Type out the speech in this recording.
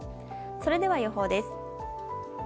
それでは予報です。